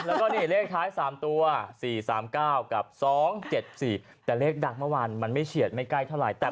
แล้วก็นี่เลขท้าย๓ตัว๔๓๙กับ๒๗๔แต่เลขดังเมื่อวานมันไม่เฉียดไม่ใกล้เท่าไหร่